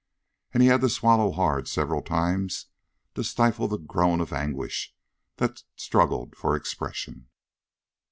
And he had to swallow hard several times to stifle the groan of anguish that struggled for expression.